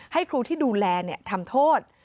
ให้ครูที่ดูแลทำโทษ